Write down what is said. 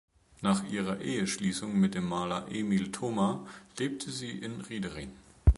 Nach ihrer Eheschließung mit dem Maler Emil Thoma lebte sie in Riedering.